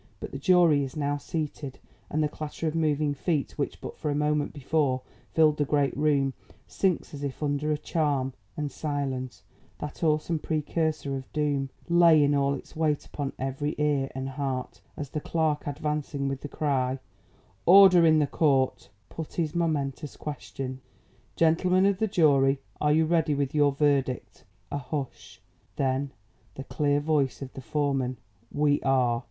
But the jury is now seated, and the clatter of moving feet which but a moment before filled the great room, sinks as if under a charm, and silence, that awesome precursor of doom, lay in all its weight upon every ear and heart, as the clerk advancing with the cry, "Order in the court," put his momentous question: "Gentlemen of the jury, are you ready with your verdict?" A hush! then, the clear voice of the foreman: "We are."